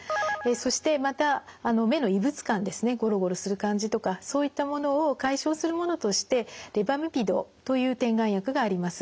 そしてまた目の異物感ですねゴロゴロする感じとかそういったものを解消するものとしてレバミピドという点眼薬があります。